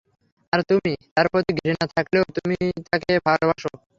আর তুমি, তার প্রতি ঘৃণা থাকলেও তুমি তাকে ভালোবাসো।